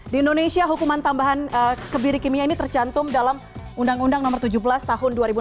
di indonesia hukuman tambahan kebiri kimia ini tercantum dalam undang undang nomor tujuh belas tahun dua ribu enam belas